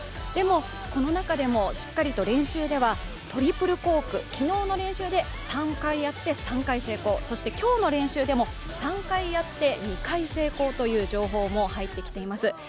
でも、この中でもしっかりと練習ではトリプルコーク昨日の練習で３回やって３回成功そして今日の練習でも３回やって２回成功という情報も入ってきています。